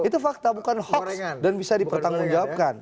itu fakta bukan hoax dan bisa dipertanggungjawabkan